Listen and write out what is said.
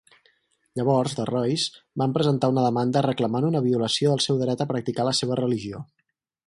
Llavors The Roys van presentar una demanda reclamant una violació del seu dret a practicar la seva religió.